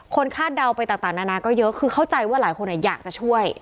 คาดเดาไปต่างนานาก็เยอะคือเข้าใจว่าหลายคนอยากจะช่วย